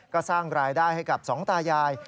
ก็สร้างรายได้ให้กับสองตายาย